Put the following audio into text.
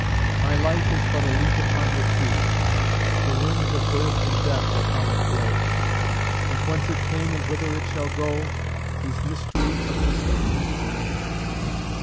My life is but a leaf upon the tree; The winds of birth and death upon it blow; But whence it came and whither it shall go, Is mystery of mysteries to me.